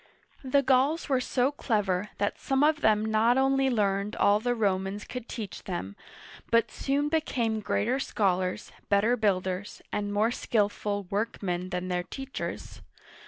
The Gauls were so clever that some of them not only learned all the Romans could teach them, but soon became greater scholars, better builders, and more skillful work men than their teachers.